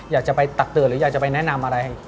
อยากจะไปตักเตือนหรืออยากจะไปแนะนำอะไร